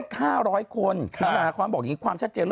เขาส่วนมาว่าคุณหนุ่มกับคุณปุ๊ะเกี๊ยว